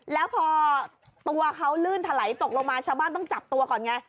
แล้วพอตัวเขาลื่นถลายตกลงมาชาวบ้านต้องจับตัวก่อนไง